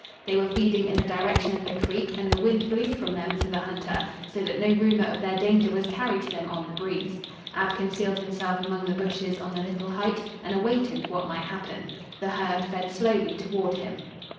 They were feeding in the direction of the creek and the wind blew from them to the hunter, so that no rumor of their danger was carried to them on the breeze. Ab concealed himself among the bushes on the little height and awaited what might happen. The herd fed slowly toward him.